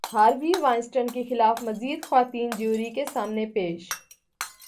Harvey Weinstein کے خلاف مزید خواتین جیوری کے سامنے پیش